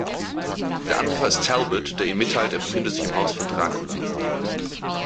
Der Anrufer ist Talbot, der ihm mitteilt, er befinde sich im Haus von Dracula.